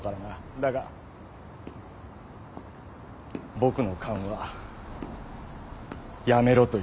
だが僕の勘はやめろと言ってる。